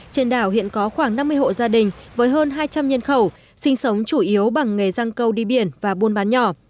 trên đảo hiện có khoảng năm mươi hộ gia đình với hơn hai trăm linh nhân khẩu sinh sống chủ yếu bằng nghề răng câu đi biển và buôn bán nhỏ